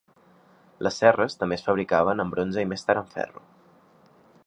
Les serres també es fabricaven amb bronze i més tard amb ferro.